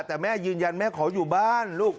แต่แม่ยืนยันแม่ขออยู่บ้านลูก